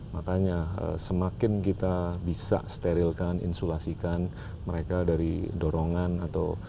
makanya semakin kita bisa sterilkan insulasikan mereka dari dorongan atau